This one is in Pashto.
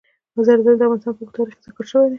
زردالو د افغانستان په اوږده تاریخ کې ذکر شوي دي.